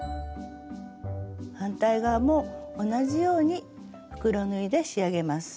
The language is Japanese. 反対側も同じように袋縫いで仕上げます。